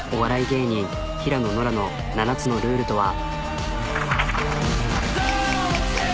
芸人平野ノラの７つのルールとは。